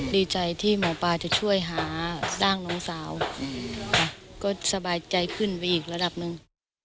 ดีใจที่หมอปลาจะช่วยหาร่างน้องสาวก็สบายใจขึ้นไปอีกระดับหนึ่ง